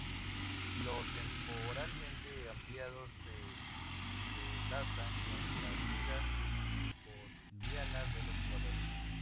Los temporalmente ampliados se entrelazan con las vidas cotidianas de los jugadores.